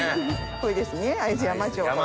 これですね会津山塩。